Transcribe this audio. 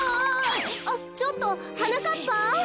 あっちょっとはなかっぱ！